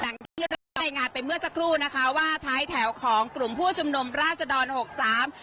ในงานไปเมื่อสักครู่นะคะว่าท้ายแถวของกลุ่มผู้ชมนุมราชดรหกสาม